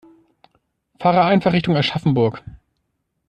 Fahre einfach Richtung Aschaffenburg